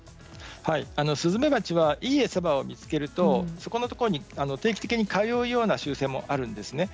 スズメバチはいい餌場を見つけるとそこのところに定期的に通うような習性もあるんです。